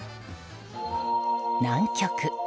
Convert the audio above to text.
南極。